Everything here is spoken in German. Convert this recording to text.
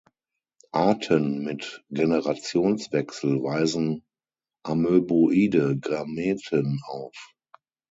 Arten mit Generationswechsel weisen amöboide Gameten auf.